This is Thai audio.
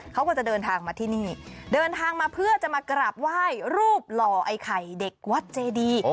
เขาก็จะเดินทางมาที่นี่เดินทางมาเพื่อจะมากราบไหว้รูปหล่อไอ้ไข่เด็กวัดเจดี